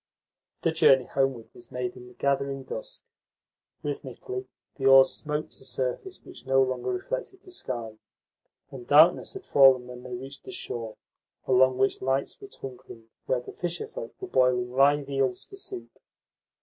The journey homeward was made in the gathering dusk. Rhythmically the oars smote a surface which no longer reflected the sky, and darkness had fallen when they reached the shore, along which lights were twinkling where the fisherfolk were boiling live eels for soup.